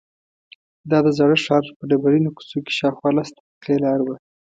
دا د زاړه ښار په ډبرینو کوڅو کې شاوخوا لس دقیقې لاره وه.